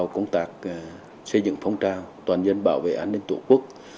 công tác xây dựng phong trào toàn dân bảo vệ an ninh tổ quốc